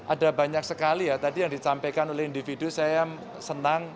ada banyak sekali ya tadi yang disampaikan oleh individu saya senang